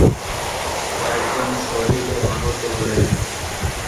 কয়েকজন শহীদ ও আহত হলেন।